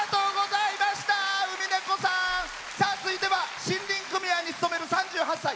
続いては森林組合に勤める３８歳。